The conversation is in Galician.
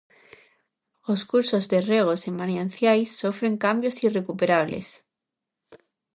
Os cursos de regos e mananciais sofren cambios irrecuperables.